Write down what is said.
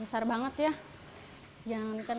besar apa kepeduliannya terhadap hewan